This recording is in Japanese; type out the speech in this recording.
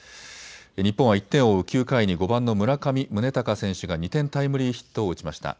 日本は１点を追う９回に５番の村上宗隆選手が２点タイムリーヒットを打ちました。